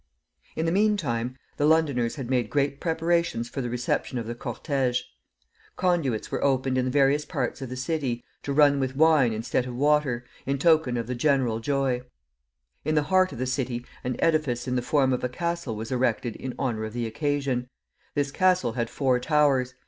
In the mean time, the Londoners had made great preparations for the reception of the cortége. Conduits were opened in various parts of the city, to run with wine instead of water, in token of the general joy. In the heart of the city an edifice in the form of a castle was erected in honor of the occasion. This castle had four towers.